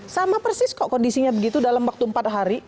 sama persis kok kondisinya begitu dalam waktu empat hari